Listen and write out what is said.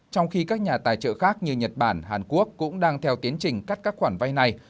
trong khi các nhà tài trợ khác như nhật bản hàn quốc cũng đang theo tiến trình cắt các khoản vay này